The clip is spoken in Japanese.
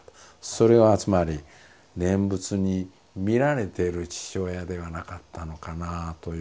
それはつまり念仏に見られている父親ではなかったのかなあというふうに。